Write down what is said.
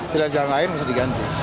pilihan pilihan lain harus diganti